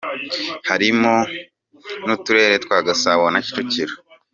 Harimo n’uturere twa Gasabo na Kicukiro.